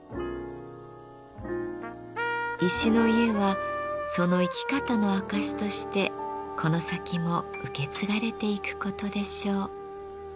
石の家はその生き方の証しとしてこの先も受け継がれていくことでしょう。